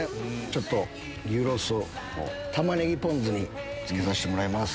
ちょっと牛ロースを玉葱ポン酢につけさせてもらいます。